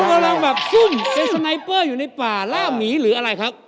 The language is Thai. กำลังแบบซุ่มเป็นสไนเปอร์อยู่ในป่าล่าหมีหรืออะไรครับ